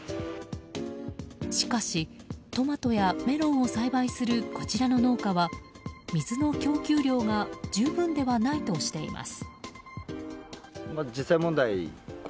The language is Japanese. しかしトマトやメロンを栽培するこちらの農家は水の供給量が十分ではないとしています。